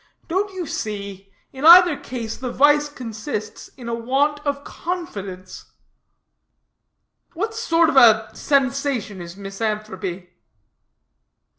Don't you see? In either case the vice consists in a want of confidence." "What sort of a sensation is misanthropy?"